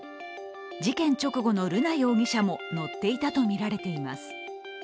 事件直後の瑠奈容疑者も乗っていたとみられています。